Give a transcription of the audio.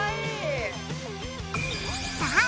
さあ！